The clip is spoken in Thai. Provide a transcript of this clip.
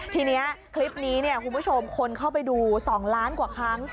ทีนี้คลิปนี้คุณผู้ชมคนเข้าไปดู๒ล้านกว่าครั้ง